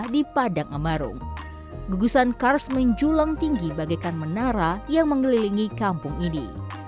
di padang amarung gugusan kars menjulang tinggi bagaikan menara yang mengelilingi kampung ini